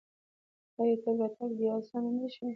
آیا تګ راتګ دې اسانه نشي؟